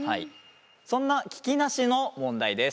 そんな聞きなしの問題です。